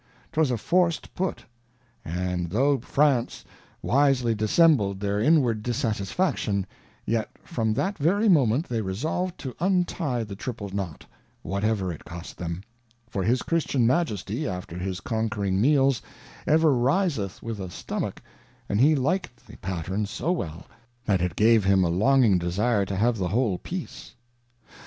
'Twas a forc'd put; and tho France wisely dissembled their inward dissatisfaction, yet from that very moment they resolv'd to unty the Triple knot, whatever it cost them ; for his Christian Majesty, after his Conquering Meals, ever riseth with a stomach, and he likM the Pattern so well, that it gave him a longing desire to have the whole Piece.